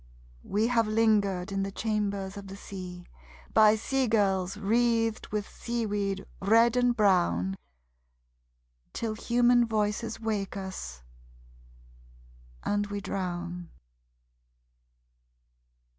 We have lingered in the chambers of the sea By sea girls wreathed with seaweed red and brown Till human voices wake us, and we drown.